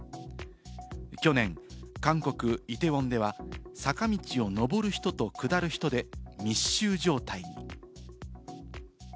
去年、韓国・イテウォンでは坂道を登る人と下る人で密集状態に。